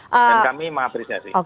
dan kami mengapresiasi